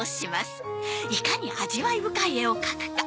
いかに味わい深い絵を描くか